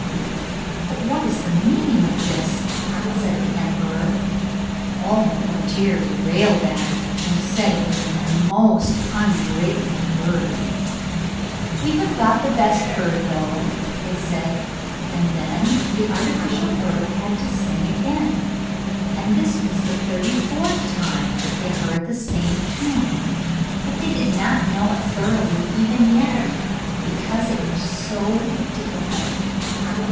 'But what is the meaning of this?' said the emperor. All the courtiers railed at it, and said it was a most ungrateful bird. 'We have got the best bird though,' said they, and then the artificial bird had to sing again, and this was the thirty fourth time that they heard the same tune, but they did not know it thoroughly even yet, because it was so difficult.